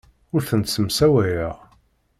Ur ten-ssemsawayeɣ.